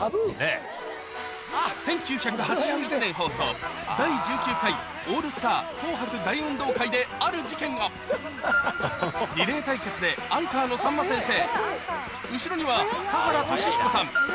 １９８１年放送『第１９回オールスター紅白大運動会』である事件がリレー対決でアンカーのさんま先生後ろには田原俊彦さん